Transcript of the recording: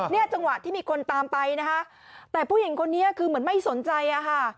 จังหวะที่มีคนตามไปนะคะแต่ผู้หญิงคนนี้คือเหมือนไม่สนใจอะค่ะ